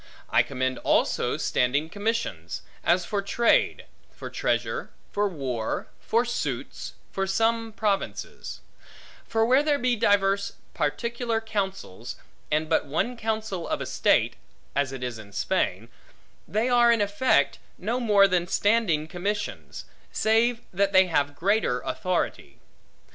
I commend also standing commissions; as for trade, for treasure, for war, for suits, for some provinces; for where there be divers particular counsels, and but one counsel of estate (as it is in Spain), they are, in effect, no more than standing commissions: save that they have greater authority.